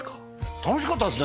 楽しかったですね